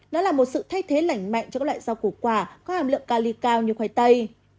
nó là một sự thay thế lảnh mạnh cho các loại rau củ quả có hàm lượng cali cao như khoai tây